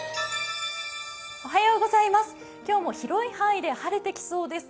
今日も広い範囲で晴れてきそうです。